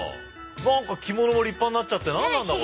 何か着物も立派になっちゃって何なんだこれ。